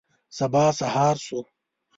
سبا سهار شو.